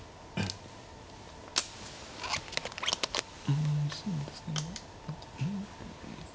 うんそうですね。